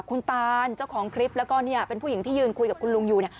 คุณตานเจ้าของคลิปแล้วก็เนี่ยเป็นผู้หญิงที่ยืนคุยกับคุณลุงอยู่เนี่ย